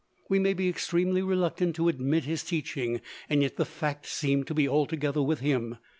We may be extremely reluctant to admit his teaching, and yet the facts seem to be altogether with him.